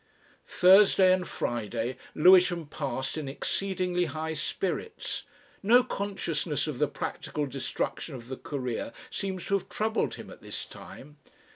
Thursday and Friday Lewisham passed in exceedingly high spirits. No consciousness of the practical destruction of the Career seems to have troubled him at this time.